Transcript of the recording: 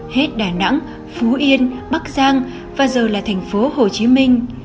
hết đà nẵng phú yên bắc giang và giờ là thành phố hồ chí minh